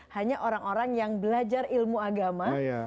hanya orang orang yang belajar ilmu agama